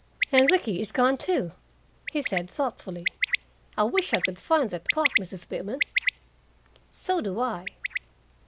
"And the key is gone, too!" he said thoughtfully. "I wish I could find that clock, Mrs. Pitman." "So do I."